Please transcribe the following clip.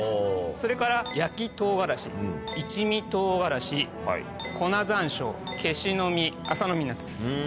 それから焼唐辛子一味唐辛子粉山椒けしの実麻の実になってます。